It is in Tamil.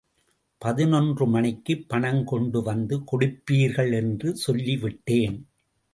பதினொன்று மணிக்கு பணம் கொண்டு வந்து கொடுப்பீர்கள் என்று சொல்லிவிட்டேன்.